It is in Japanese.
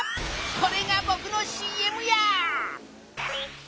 これがぼくのＣＭや！